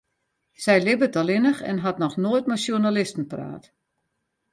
Sy libbet allinnich en hat noch noait mei sjoernalisten praat.